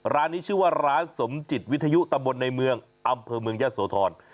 ร้านนี้ชื่อว่าร้านสมจิตวิทยุตำบลในเมืองอำเภอเมืองยะโสธร